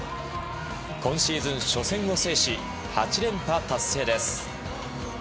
今シーズン初戦を制し８連覇達成です。